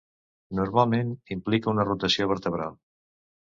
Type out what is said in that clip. Normalment, implica una rotació vertebral.